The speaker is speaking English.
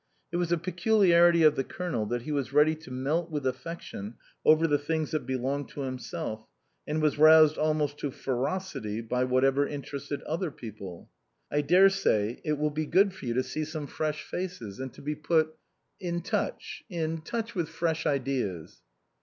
It was a peculiarity of the Colonel that he was ready to melt with affection over the things that belonged to himself, and was roused almost to ferocity by whatever interested other people. " I daresay it will be good for you to see some 24 INLAND fresh faces and to be put in touch in touch with fresh ideas."